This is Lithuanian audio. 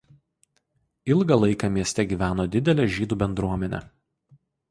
Ilgą laiką mieste gyveno didelė žydų bendruomenė.